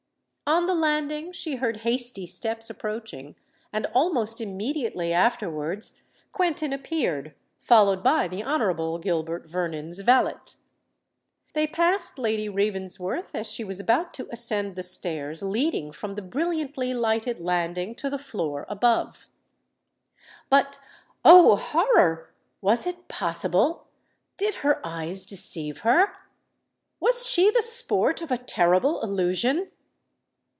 On the landing she heard hasty steps approaching and almost immediately afterwards Quentin appeared, followed by the Honourable Gilbert Vernon's valet. They passed Lady Ravensworth as she was about to ascend the stairs leading from the brilliantly lighted landing to the floor above. But—O horror!—was it possible?—did her eyes deceive her?—was she the sport of a terrible illusion?